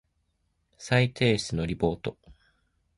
再提出のリポート